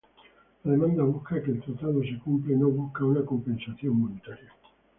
La demanda busca que el tratado se cumpla y no busca una compensación monetaria.